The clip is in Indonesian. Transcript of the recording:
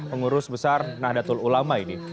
pengurus besar nahdlatul ulama ini